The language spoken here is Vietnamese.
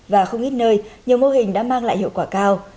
và không ít nơi nhiều mô hình đã mang lại hiệu quả cao